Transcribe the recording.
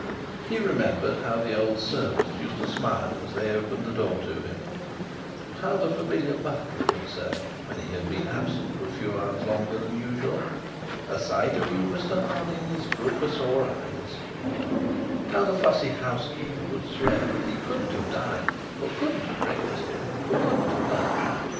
He remembered how the old servants used to smile as they opened the door to him; how the familiar butler would say, when he had been absent for a few hours longer than usual: 'A sight of you, Mr Harding, is good for sore eyes;' how the fussy housekeeper would swear that he couldn't have dined, or couldn't have breakfasted, or couldn't have lunched.